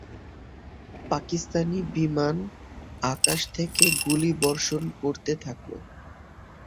পাকিস্তানি বিমান আকাশ থেকে গুলি বর্ষণ করতে থাকল।